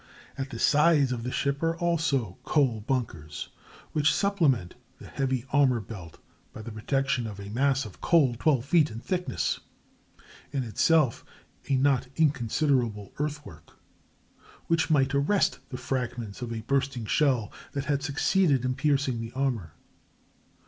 At the sides of the ship are also coal bunkers, which supplement the heavy armor belt by the protection of a mass of coal twelve feet in thickness—in itself a not inconsiderable earthwork, which might arrest the fragments of a bursting shell that had succeeded in piercing the armor.